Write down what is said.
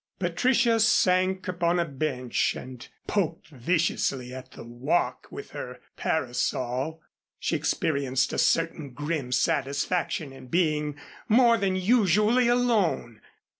Patricia sank upon a bench, and poked viciously at the walk with her parasol. She experienced a certain grim satisfaction in being more than usually alone.